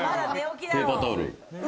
ペーパータオル。